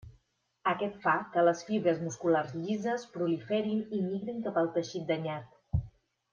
Aquest fa que les fibres musculars llises proliferin i migrin cap al teixit danyat.